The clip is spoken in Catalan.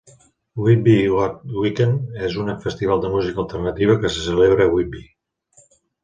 Whitby Goth Weekend és un festival de música alternativa que es celebra a Whitby.